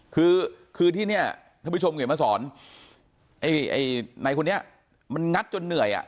คือคือที่เนี่ยท่านผู้ชมเขียนมาสอนไอ้ไอ้ในคนนี้มันงัดจนเหนื่อยอ่ะ